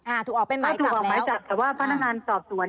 อ่าถูกออกเป็นไม้จับแล้วถูกออกไม้จับแต่ว่าพนักงานสอบส่วน